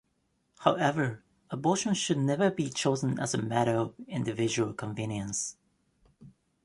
However, abortion should never be chosen as a matter of "individual convenience".